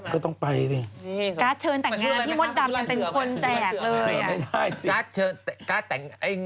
การ์ดเชิญแต่งงานให้มดดำยังเป็นคนแจกเลย